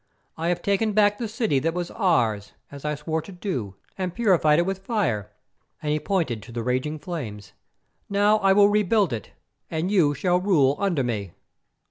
I have taken back the city that was ours, as I swore to do, and purified it with fire," and he pointed to the raging flames. "Now I will rebuild it, and you shall rule under me."